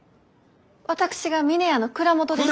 私が峰屋の蔵元ですき。